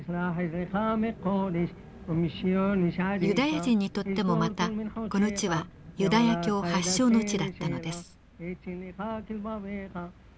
ユダヤ人にとってもまたこの地はユダヤ教発祥の地だったのです。